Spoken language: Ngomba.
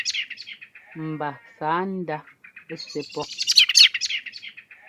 Mba sǎ ndá sɛ́ pɔ́.